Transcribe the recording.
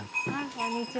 こんにちは。